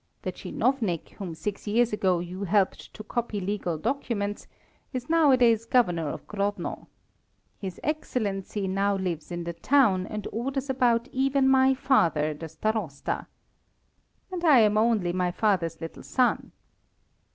The chinovnik, whom six years ago you helped to copy legal documents, is nowadays Governor of Grodno. His Excellency now lives in the town, and orders about even my father, the Starosta. And I am only my father's little son.